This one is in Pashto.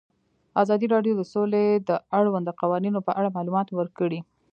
ازادي راډیو د سوله د اړونده قوانینو په اړه معلومات ورکړي.